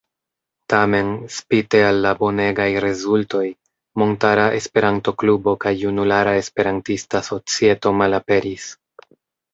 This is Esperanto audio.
Tamen, spite al la bonegaj rezultoj, Montara Esperanto-Klubo kaj Junulara Esperantista Societo malaperis.